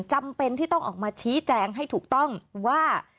จำเป็นที่ต้องออกมาชี้แจงให้ถูกต้องว่า